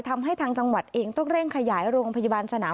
ทำให้ทางจังหวัดเองต้องเร่งขยายโรงพยาบาลสนาม